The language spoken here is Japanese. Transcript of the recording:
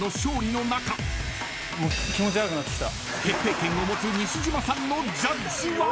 ［決定権を持つ西島さんのジャッジは？］